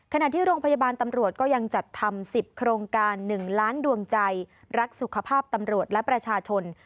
ขณะที่โรงพยาบาลตำรวจก็ยังจัดทำ๑๐โครงการ๑ล้านดวงใจรักสุขภาพตำรวจและประชาชน